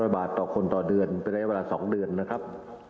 ๐บาทต่อคนต่อเดือนเป็นระยะเวลา๒เดือนนะครับ